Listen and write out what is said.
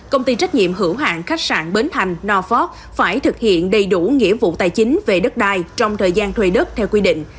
công ty trách nhiệm hữu hạng khách sạn bến thành noford phải thực hiện đầy đủ nghĩa vụ tài chính về đất đai trong thời gian thuê đất theo quy định